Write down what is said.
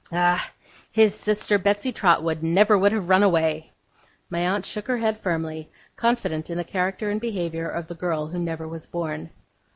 Ah! His sister, Betsey Trotwood, never would have run away.' My aunt shook her head firmly, confident in the character and behaviour of the girl who never was born.